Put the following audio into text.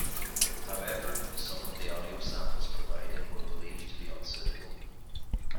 However, some of the audio samples provided were believed to be unsuitable.